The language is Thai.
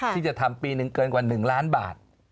ที่จะทำปีหนึ่งเกินกว่า๑ล้านบาท